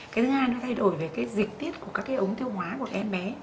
cái thứ hai nó thay đổi về cái dịch tiết của các cái ống tiêu hóa của em bé